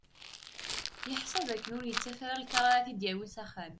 Yeḥsa d akken ur yettaf ara lkar ara t-id-yawin s axxam.